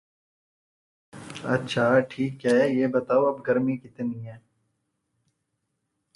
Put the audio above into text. "New X-Men: Academy X" was launched during the X-Men ReLoad event.